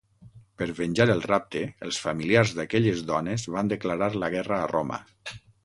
Per venjar el rapte, els familiars d'aquelles dones van declarar la guerra a Roma.